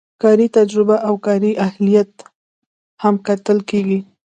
کاري تجربه او کاري اهلیت هم کتل کیږي.